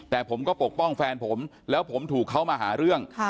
แต่ผมก็ปกป้องแฟนผมแล้วผมถูกเขามาหาเรื่อง